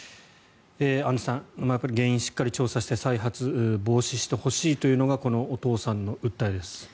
アンジュさん原因、しっかり調査して再発防止してほしいというのがこのお父さんの訴えです。